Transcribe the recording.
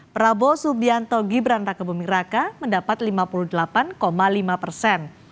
prabowo subianto gibran raka buming raka mendapat lima puluh delapan lima persen